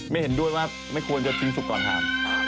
เห็นด้วยว่าไม่ควรจะทิ้งสุกก่อนทาน